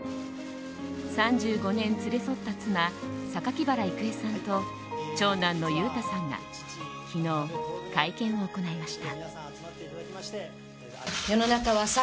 ３５年連れ添った妻榊原郁恵さんと長男の裕太さんが昨日、会見を行いました。